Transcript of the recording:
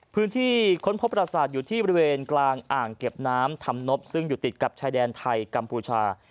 ค้นพบประสาทอยู่ที่บริเวณกลางอ่างเก็บน้ำธรรมนบซึ่งอยู่ติดกับชายแดนไทยกัมพูชา